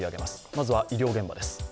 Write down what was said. まずは医療現場です。